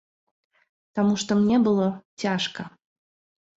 Таму што мне было цяжка.